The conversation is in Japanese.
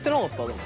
でも。